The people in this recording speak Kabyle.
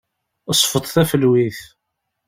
Sfeḍ tafelwit.